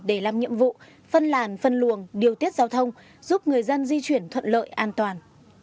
để làm nhiệm vụ phân làn phân luồng điều tiết giao thông giúp người dân di chuyển thuận lợi an toàn